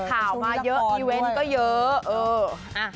ข่าวมาเยอะอีเวนต์ก็เยอะ